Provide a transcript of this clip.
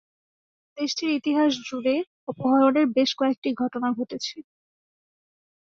দেশটির ইতিহাস জুড়ে অপহরণের বেশ কয়েকটি ঘটনা ঘটেছে।